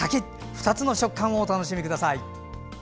２つの食感をお楽しみください。